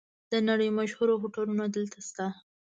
د نړۍ مشهور هوټلونه دلته شته.